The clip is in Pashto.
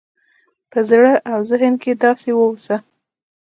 په زړه او ذهن کې داسې واوسه